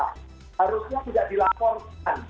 harusnya tidak dilaporkan